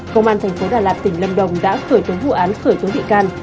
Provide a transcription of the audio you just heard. công an thành phố đà lạt tỉnh lâm đồng đã khởi tố vụ án khởi tố bị can